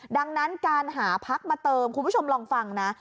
ดังนั้นการหาพักมาเติมคุณผู้ชมลองฟังนะ